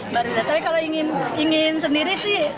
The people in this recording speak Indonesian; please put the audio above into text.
baru tapi kalau ingin sendiri sih